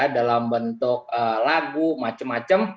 dalam bentuk lagu macem macem